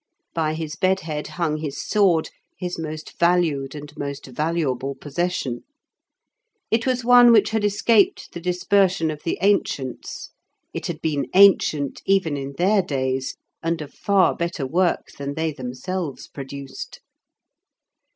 By his bedhead hung his sword, his most valued and most valuable possession. It was one which had escaped the dispersion of the ancients; it had been ancient even in their days, and of far better work than they themselves produced.